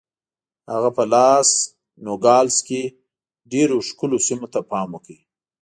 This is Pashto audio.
هغه په لاس نوګالس کې ډېرو ښکلو سیمو ته پام وکړ.